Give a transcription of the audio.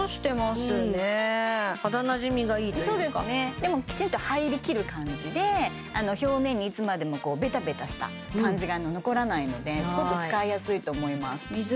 でもきちんと入りきる感じで表面にいつまでもベタベタした感じが残らないのですごく使いやすいと思います